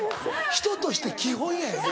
人として基本やよね